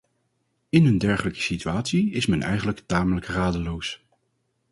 In een dergelijke situatie is men eigenlijk tamelijk radeloos.